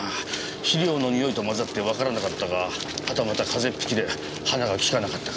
肥料のにおいと混ざってわからなかったかはたまた風邪っ引きで鼻が利かなかったか。